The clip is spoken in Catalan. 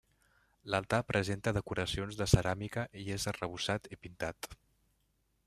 L'altar presenta decoracions de ceràmica i és arrebossat i pintat.